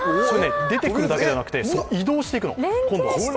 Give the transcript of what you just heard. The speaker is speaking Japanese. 出てくるだけじゃなくて、移動していくの。